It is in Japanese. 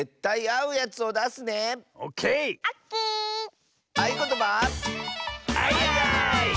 「あいあい」！